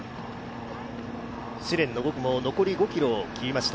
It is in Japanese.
試練の５区も残り５ｋｍを切りました。